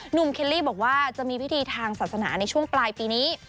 เคลลี่บอกว่าจะมีพิธีทางศาสนาในช่วงปลายปีนี้